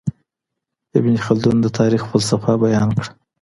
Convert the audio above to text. ابن خلدون د تاريخ فلسفه بيان کړه.